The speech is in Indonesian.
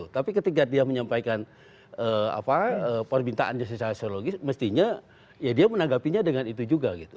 tapi ketika dia menyampaikan permintaan yang sisiologis mestinya dia menanggapinya dengan itu juga